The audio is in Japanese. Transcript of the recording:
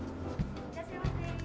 いらっしゃいませ。